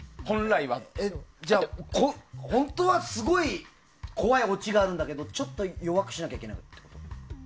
じゃあ、本当はすごい怖いオチがあるんだけどちょっと弱くしないといけないの。